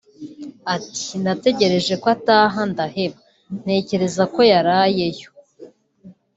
Ati “Nategereje ko ataha ndaheba ntekereza ko yaraye yo